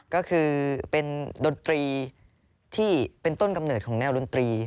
ก็คือเป็นดนตรีที่เป็นต้นกำเนิดของแนวดนตรี